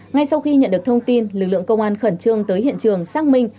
ngay sau khi nhận được thông tin lực lượng công an khẩn trương tới hiện trường xác minh